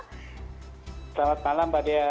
selamat malam mbak dia